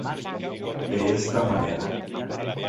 De esta manera.